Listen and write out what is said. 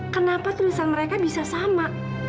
kenapa tulisan mereka bisa sama